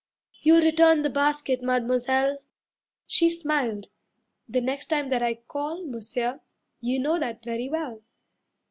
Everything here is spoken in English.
"You'll return the basket, Mademoiselle?" She smiled, "The next time that I call, Monsieur. You know that very well."